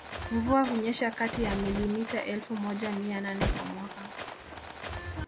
Mvua hunyesha kati ya milimita elfu moja mia nane kwa mwaka